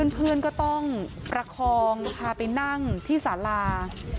เพื่อนก็ต้องประคองพาไปนั่งที่สารา